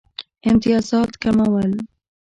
امتیازات کمول.